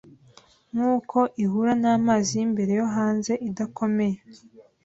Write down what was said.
Nkuko ihura namazi yimbere yo hanze idakomeye